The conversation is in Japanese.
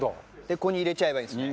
ここに入れちゃえばいいんですね。